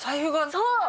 そう！